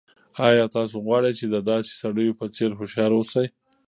آیا تاسو غواړئ چې د داسې سړیو په څېر هوښیار اوسئ؟